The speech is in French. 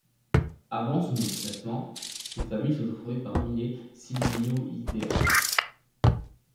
Avant ce nouveau classement, ces familles se trouvaient parmi les Sylvioidea.